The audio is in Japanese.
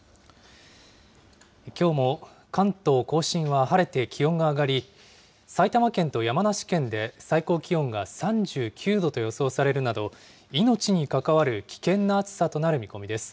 きょうも関東甲信は晴れて気温が上がり、埼玉県と山梨県で最高気温が３９度と予想されるなど、命に関わる危険な暑さとなる見込みです。